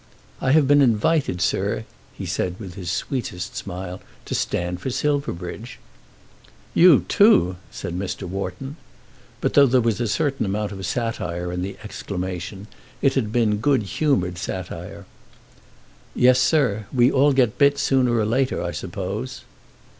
"I have been invited, sir," he said with his sweetest smile, "to stand for Silverbridge." "You too!" said Mr. Wharton. But, though there was a certain amount of satire in the exclamation, it had been good humoured satire. "Yes, sir. We all get bit sooner or later, I suppose."